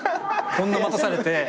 こんな待たされて。